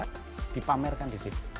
yang dipamerkan di sini